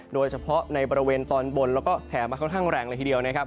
โดยเฉพาะในบริเวณตอนบนแล้วก็แผ่มาค่อนข้างแรงเลยทีเดียวนะครับ